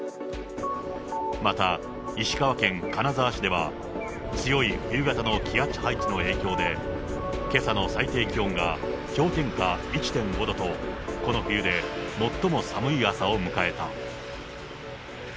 また、石川県金沢市では、強い冬型の気圧配置の影響で、けさの最低気温が氷点下１．５度と、この冬で最も寒い朝を迎えた。